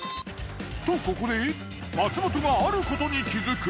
とここで松本があることに気付く。